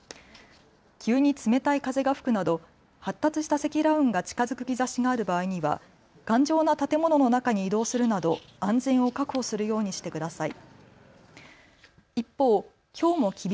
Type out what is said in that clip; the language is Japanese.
急に冷たい風が吹くなど発達した積乱雲が近づく兆しがある場合には頑丈な建物の中に移動するなど安全を確保するようにしてください。